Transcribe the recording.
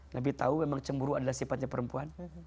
nabi tahu memang cemburu adalah sifatnya perempuan